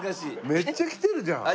めっちゃ来てるじゃん！